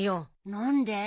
何で？